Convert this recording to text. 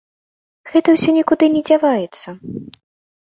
Гэта ўсё нікуды не дзяваецца.